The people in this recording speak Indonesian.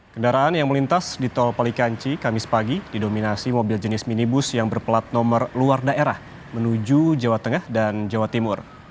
kendaraan yang melintas di tol palikanci kamis pagi didominasi mobil jenis minibus yang berplat nomor luar daerah menuju jawa tengah dan jawa timur